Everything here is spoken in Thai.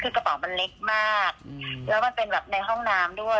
คือกระเป๋ามันเล็กมากแล้วมันเป็นแบบในห้องน้ำด้วย